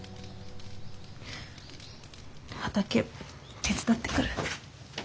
畑手伝ってくる。